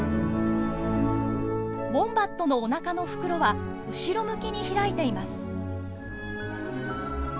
ウォンバットのおなかの袋は後ろ向きに開いています。